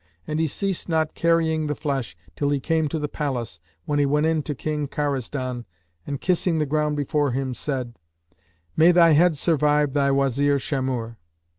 And he ceased not carrying the flesh till he came to the palace, when he went in to King Karazdan, and kissing the ground before him, said, "May thy head survive thy Wazir Shamhur!"